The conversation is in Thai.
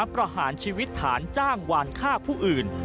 ประหารชีวิตฐานจ้างวานฆ่าผู้อื่น